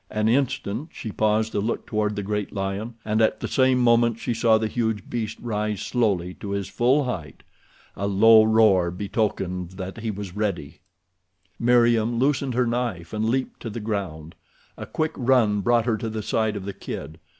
An instant she paused to look toward the great lion, and at the same moment she saw the huge beast rise slowly to his full height. A low roar betokened that he was ready. Meriem loosened her knife and leaped to the ground. A quick run brought her to the side of the kid.